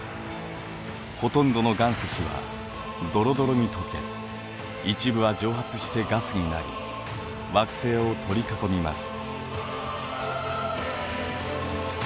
ほとんどの岩石はドロドロに溶け一部は蒸発してガスになり惑星を取り囲みます。